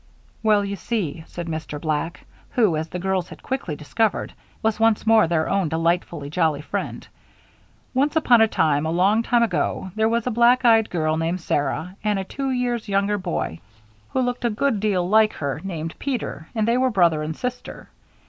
"Well, you see," said Mr. Black, who, as the girls had quickly discovered, was once more their own delightfully jolly friend, "once upon a time, a long time ago, there was a black eyed girl named Sarah, and a two years younger boy, who looked a good deal like her, named Peter, and they were brother and sister.